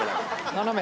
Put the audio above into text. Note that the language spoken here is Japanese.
斜め。